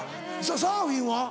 サーフィンは？